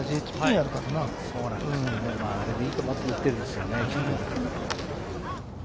あれでいいと思って打っているんですよね。